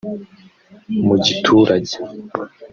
Mu giturage